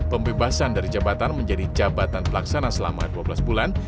pembebasan dari jabatan menjadi jabatan pelaksana selama dua belas bulan